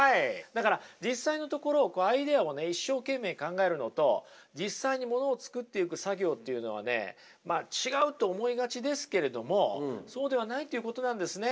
だから実際のところこうアイデアをね一生懸命考えるのと実際にものを作っていく作業っていうのはねまあ違うと思いがちですけれどもそうではないということなんですね。